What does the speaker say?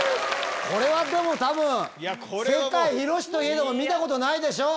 これはでも多分世界広しといえども見たことないでしょう。